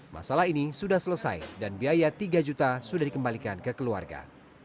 masalah ini sudah selesai dan biaya tiga juta sudah dikembalikan ke keluarga